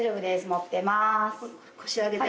持ってます。